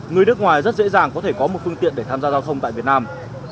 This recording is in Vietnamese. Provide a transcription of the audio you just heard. người nước ngoài rất dễ dàng có thể có một phương tiện để tham gia giao thông tại việt nam